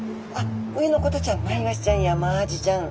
上の子たちはマイワシちゃんやマアジちゃん。